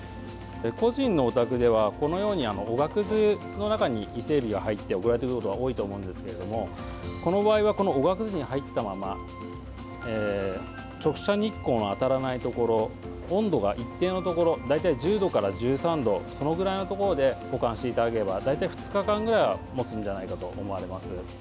個人のお宅では、このようにおがくずの中に伊勢えびが入って送られてくることが多いと思うんですけれどもこの場合はこのおがくずに入ったまま直射日光の当たらないところ温度が一定のところ大体１０度から１３度そのぐらいのところで保管していただければ大体２日間ぐらいはもつんじゃないかと思われます。